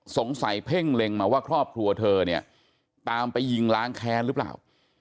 สงสัยเพ่งเล็งมาว่าครอบครัวเธอเนี่ยตามไปยิงล้างแค้นหรือเปล่า